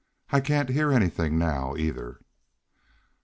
"I can't hear anything now, either."